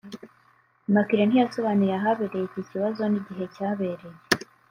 Immaculée ntiyasobanuye ahabereye iki kibazo n’igihe cyabereye